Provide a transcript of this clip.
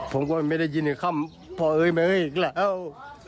ผมก็ไม่ได้ยินในค่ำพ่อเอ๋ยมาเอ้ยอีกแล้ว